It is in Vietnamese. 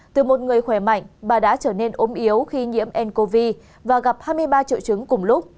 từ một người khỏe mạnh bà đã trở nên ốm yếu khi nhiễm ncov và gặp hai mươi ba triệu chứng cùng lúc